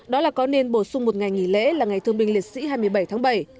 đó là có nên bổ sung một ngày nghỉ lễ là ngày thương binh liệt sĩ hai mươi bảy tháng bảy